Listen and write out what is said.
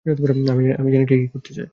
আমি জানি আমি কি করতেছি।